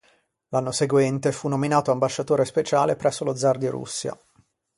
L'anno seguente fu nominato ambasciatore speciale presso lo zar di Russia.